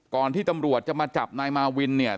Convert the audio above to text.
ที่ตำรวจจะมาจับนายมาวินเนี่ย